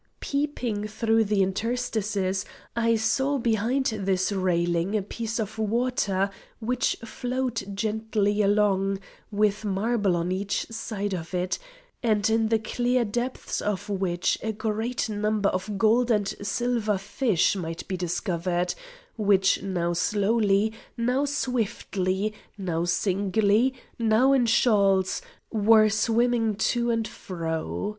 Peeping through the interstices I saw behind this railing a piece of water which flowed gently along, with marble on each side of it, and in the clear depths of which a great number of gold and silver fish might be discovered, which now slowly, now swiftly, now singly, now in shoals, were swimming to and fro.